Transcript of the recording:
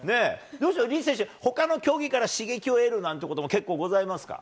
リーチ選手、ほかの競技から刺激を得るなんてことも結構ございますか。